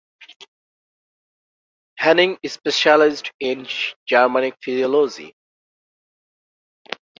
Henning specialized in Germanic philology.